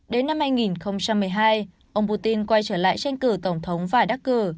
đến năm hai nghìn một mươi hai ông putin quay trở lại tranh cử tổng thống vải đắc cử